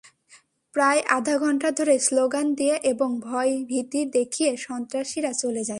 প্রায় আধা ঘণ্টা ধরে স্লোগান দিয়ে এবং ভয়ভীতি দেখিয়ে সন্ত্রাসীরা চলে যায়।